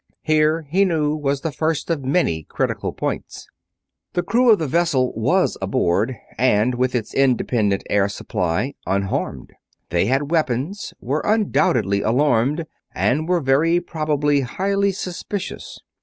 Here, he knew, was the first of many critical points. The crew of the vessel was aboard, and, with its independent air supply, unharmed. They had weapons, were undoubtedly alarmed, and were very probably highly suspicious.